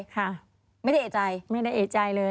ค่ะไม่ได้เอกใจไม่ได้เอกใจเลย